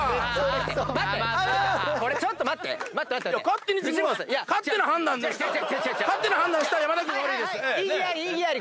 勝手に判断した山田君が悪いです！